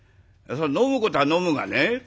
そりゃ飲むことは飲むがね。